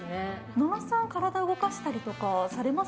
野呂さん、体動かしたりされます？